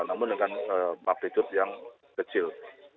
namun dengan magnitude yang kecil